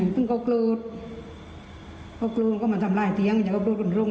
ต้องเขาโกรธเขาโกรธก็มาทำร้ายเตี๊ยงจะเขาโกรธคนร่วง